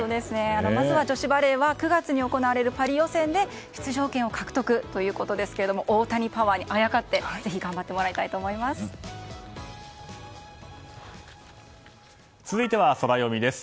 まずは女子バレーは９月に行われるパリ予選で出場権を獲得ということですけども大谷パワーにあやかってぜひ頑張ってもらいたいと続いてはソラよみです。